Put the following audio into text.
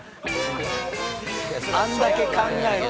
あんだけ考えて。